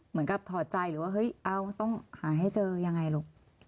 เหมือนกับถอดใจหรือว่าเฮ้ยเอาต้องหาให้เจอยังไงหรอก